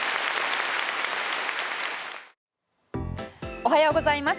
おはようございます。